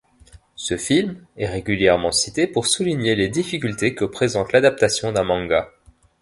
Ce film est régulièrement cité pour souligner les difficultés que présente l'adaptation d'un manga.